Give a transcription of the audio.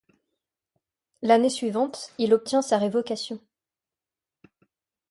L'année suivante, il obtient sa révocation.